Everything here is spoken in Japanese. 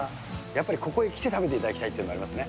やっぱり、ここへ来て食べていただきたいっていうのはありますね。